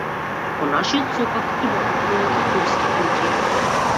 Во нашиот сокак имавме повеќе турски куќи.